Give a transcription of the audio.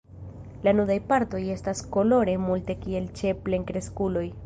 La nudaj partoj estas kolore multe kiel ĉe plenkreskuloj.